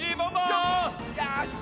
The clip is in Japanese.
よし！